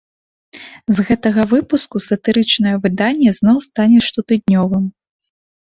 З гэтага выпуску сатырычнае выданне зноў стане штотыднёвым.